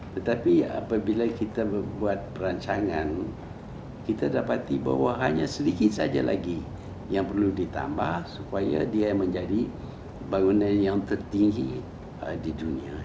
tetapi apabila kita membuat perancangan kita dapati bahwa hanya sedikit saja lagi yang perlu ditambah supaya dia menjadi bangunan yang tertinggi di dunia